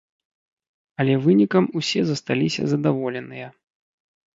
Але вынікам усе засталіся задаволеныя.